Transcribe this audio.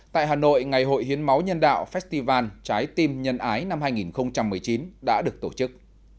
tại hà nội ngày hội hiến máu nhân đạo festival trái tim nhân ái năm hai nghìn một mươi chín đã được tổ chức